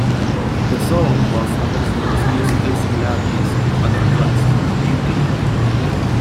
The song was noted for its musical similarities to other tracks from "Duty".